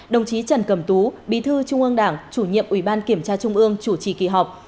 đồng chí trần cẩm tú bí thư trung ương đảng chủ nhiệm ủy ban kiểm tra trung ương chủ trì kỳ họp